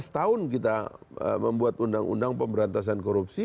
lima belas tahun kita membuat undang undang pemberantasan korupsi